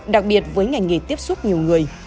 đặc biệt với ngành nghề tiếp xúc nhiều người